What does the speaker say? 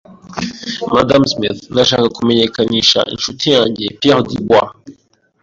Madamu Smith, Ndashaka kumenyekanisha inshuti yanjye, Pierre Dubois.